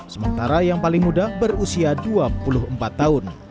sementara yang paling muda berusia dua puluh empat tahun